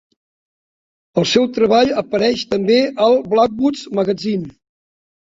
El seu treball apareix també al "Blackwood's Magazine".